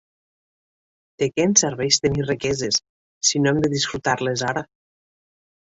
De què ens serveix tenir riqueses, si no hem de disfrutar-les ara?